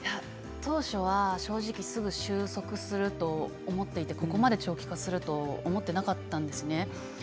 当初は正直すぐ収束すると思っていて、ここまで長期化すると思っていなかったんですね。